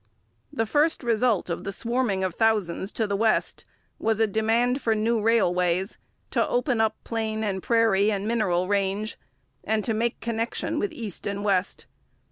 The first result of the swarming of thousands to the West was a demand for new railways, to open up plain and prairie and mineral range, and to make connection with East and West.